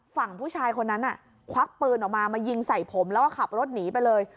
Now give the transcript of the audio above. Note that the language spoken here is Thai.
ฝั่งผู้ชายคนนั้นควักปืนออกมามายิงใส่ผมแล้วก็ขับรถหนีไปเลย